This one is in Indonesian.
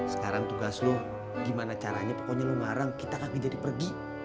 sekarang tugas lo gimana caranya pokoknya lo melarang kita kaki jadi pergi